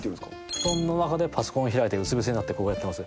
布団の中でパソコン開いてうつぶせになってこうやってます。